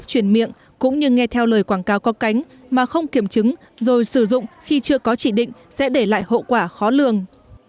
chuyển miệng cũng như nghe theo lời quảng cáo có cánh mà không kiểm chứng rồi sử dụng khi chưa có chỉ định sẽ để lại hậu quả khó lường